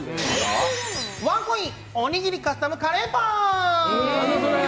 ワンコインおにぎりカスタムカレーパン。